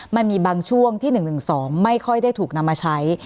มันมีบางช่วงที่๑๑๒ไม่ค่อยได้ถูกนำมาใช้